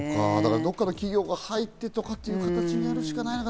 どこかの企業が入ってという形になるしかないのかな？